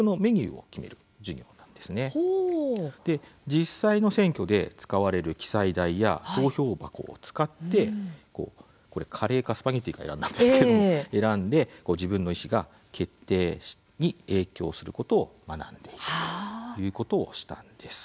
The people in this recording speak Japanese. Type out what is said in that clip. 実際の選挙で使われる記載台や投票箱を使ってこれカレーかスパゲッティか選んだんですけれども選んで自分の意思が決定に影響することを学んでいるということをしたんです。